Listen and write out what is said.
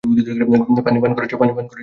পানি পান করেছ?